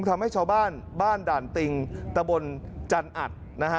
ทำให้ชาวบ้านบ้านด่านติงตะบนจันอัดนะฮะ